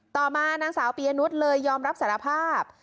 ต่อมานางสาวปียนุษย์เลยยอมรับสารภาพ